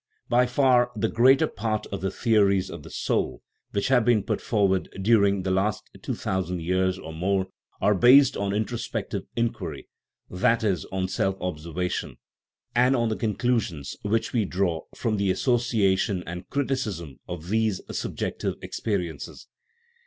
By far the greater part of the theories of the soul which have been put forward during the last two thousand years or more are based on introspective inquiry that is, on " self observation," and on the conclusions which we draw from the association and criticism of these subjective experiences.